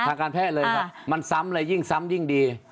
ทางการแพทย์เลยครับมันซ้ำเลยยิ่งซ้ำยิ่งดี